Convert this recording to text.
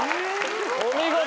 お見事！